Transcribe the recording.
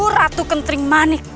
aku ratu kentring manik